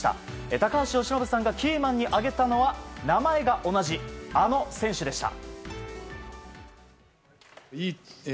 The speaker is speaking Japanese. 高橋由伸さんがキーマンに挙げたのは名前が同じ、あの選手でした。